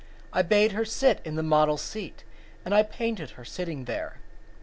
I bade her sit in the model's seat And I painted her sitting there.